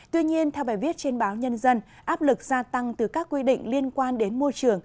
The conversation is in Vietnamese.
tuy nhiên theo bài viết trên báo nhân dân áp lực gia tăng từ các quy định liên quan đến môi trường